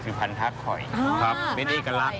สุดีท้านหากไข่เป็นเอกลักษณ์